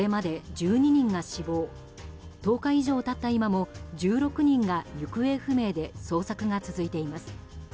１０日以上経った今も１６人が行方不明で捜索が続いています。